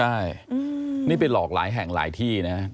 มักเลยนะใช่อืมนี่เป็นหลอกหลายแห่งหลายที่นะฮะ